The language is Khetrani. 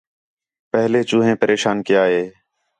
پہلے چوہیں پریشان کیا ہِے